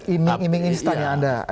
iming iming instan yang anda